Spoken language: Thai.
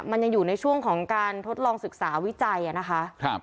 มันยังอยู่ในช่วงของการทดลองศึกษาวิจัยนะคะ